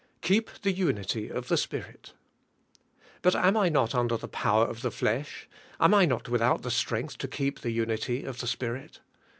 "Keep the unity of the Spirit." But am I not under the power of the flesh? Am I not without the strength to keep the unity of the Spirit?